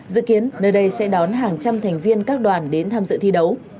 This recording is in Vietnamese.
dự kiến nơi đây sẽ đón hàng trăm thành viên các đoàn đến tham dự thi đấu